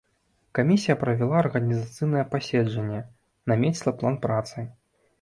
Камісія правяла арганізацыйнае пасяджэнне, намеціла план працы.